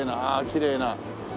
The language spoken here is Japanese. ああきれいな。